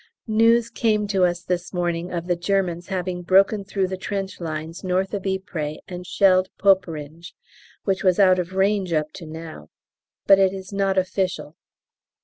News came to us this morning of the Germans having broken through the trench lines north of Ypres and shelled Poperinghe, which was out of range up to now, but it is not official.